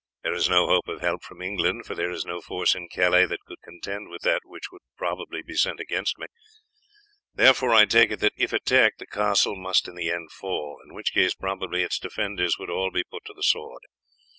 There is no hope of help from England, for there is no force in Calais that could contend with that which would probably be sent against me; therefore I take it that if attacked the castle must in the end fall, in which case probably its defenders would all be put to the sword.